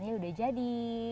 ini sudah jadi